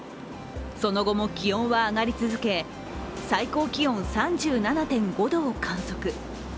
その後も気温は上がり続け最高気温３７．５度を観測。